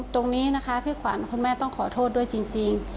ตรงนี้นะคะพี่ขวัญคุณแม่ต้องขอโทษด้วยจริง